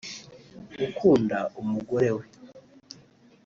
Gukunda umugore we